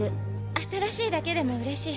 新しいだけでもうれしい。